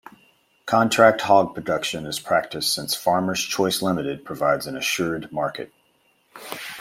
Contract hog production is practiced since Farmers Choice Limited provides an assured market.